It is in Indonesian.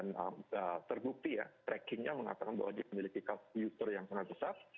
dan terbukti ya trackingnya mengatakan bahwa dia memiliki cost future yang sangat besar